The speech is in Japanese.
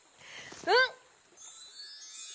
うん！